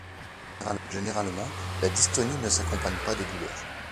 Généralement, la dystonie ne s’accompagne pas de douleur.